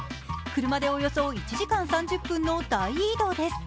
車でおよそ１時間３０分の大移動です